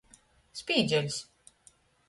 Spīdžeļs.